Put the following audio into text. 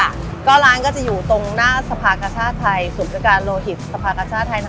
แล้วร้านก็จะอยู่ตรงหน้าสภากช่าไทยศูนย์จังการโลหิตสภากช่าไทย